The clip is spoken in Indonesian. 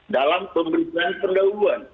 dalam pemeriksaan pendahuluan